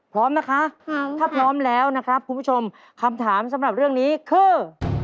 พร้อมนะคะถ้าพร้อมแล้วนะครับคุณผู้ชมคำถามสำหรับเรื่องนี้คือ